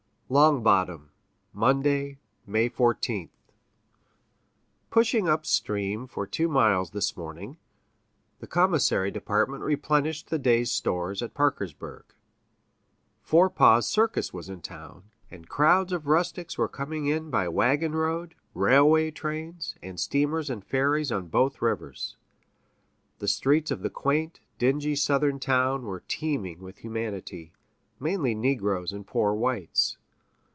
Long Bottom, Monday, May 14th. Pushing up stream for two miles this morning, the commissary department replenished the day's stores at Parkersburg. Forepaugh's circus was in town, and crowds of rustics were coming in by wagon road, railway trains, and steamers and ferries on both rivers. The streets of the quaint, dingy Southern town were teeming with humanity, mainly negroes and poor whites.